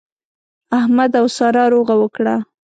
احمد او سارا روغه وکړه.